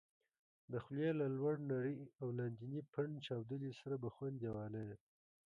د خولې له لوړ نري او لاندني پنډ چاودلي سره بخن دېواله یې